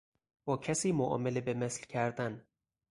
با کسی معامله به مثل کردن